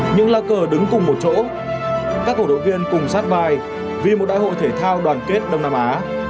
những lá cờ đứng cùng một chỗ các cổ động viên cùng sát mai vì một đại hội thể thao đoàn kết đông nam á